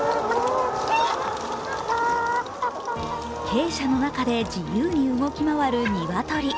鶏舎の中で自由に動き回る鶏。